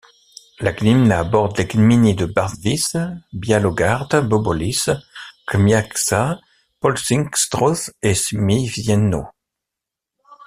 La gmina borde les gminy de Barwice, Białogard, Bobolice, Grzmiąca, Połczyn-Zdrój et Świeszyno.